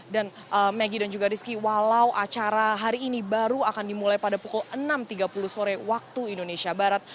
dan megi dan juga rizky walau acara hari ini baru akan dimulai pada pukul enam tiga puluh sore waktu indonesia barat